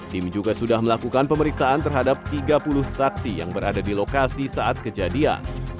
tim juga sudah melakukan pemeriksaan terhadap tiga puluh saksi yang berada di lokasi saat kejadian